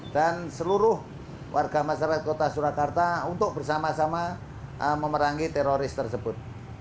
dan seluruh warga masyarakat kota surakarta untuk bersama sama memerangi teroris tersebut